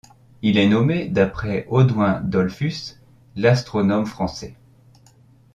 Il est nommé d'après Audouin Dollfus, l'astronome français.